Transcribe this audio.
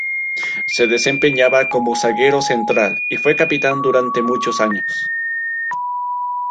Se desempeñaba como zaguero central y fue capitán durante muchos años.